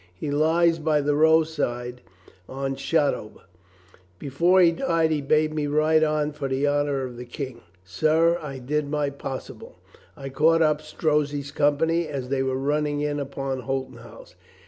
He lies by the roadside on Shotover. Before he died he bade me ride on for the honor of the King. Sir, I did my possible. I caught up Strozzi's company as they were running in upon Holton House.